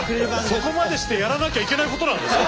そこまでしてやらなきゃいけないことなんですか？